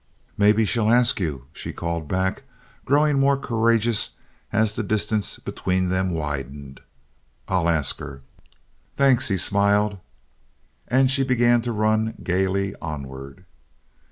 "Maybe she'll ask you," she called back, growing more courageous as the distance between them widened. "I'll ask her." "Thanks," he smiled. And she began to run gayly onward.